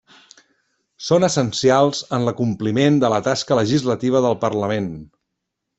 Són essencials en l'acompliment de la tasca legislativa del Parlament.